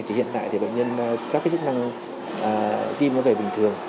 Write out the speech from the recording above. thì hiện tại thì bệnh nhân các cái chức năng tim nó về bình thường